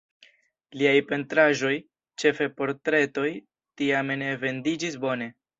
Liaj pentraĵoj, ĉefe portretoj, tiame ne vendiĝis bone.